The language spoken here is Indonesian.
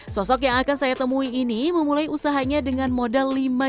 sosok yang akan saya temui ini memulai usahanya dengan modal lima